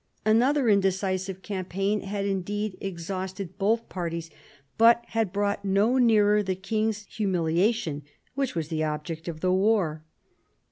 Another indecisive campaign had indeed exhausted both parties, but had brought no nearer the king's humiliation, which was the object of the war.